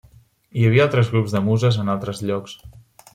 Hi havia altres grups de muses en altres llocs.